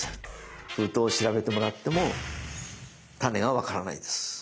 封筒を調べてもらってもタネが分からないです。